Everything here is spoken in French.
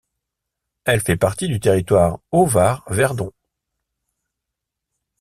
Elle fait partie du territoire Haut-Var Verdon.